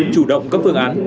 chủ động các phương án